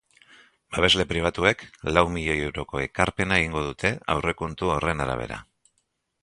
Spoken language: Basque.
Babesle pribatuek lau milioi euroko ekarpena egingo dute, aurrekontu horren arabera.